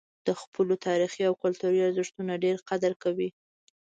د خپلو تاریخي او کلتوري ارزښتونو ډېر قدر کوي.